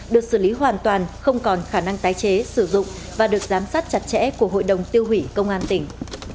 được xử lý hoàn toàn không còn khả năng tái chế sử dụng và được giám sát chặt chẽ của hội đồng tiêu hủy công an tỉnh